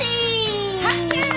拍手！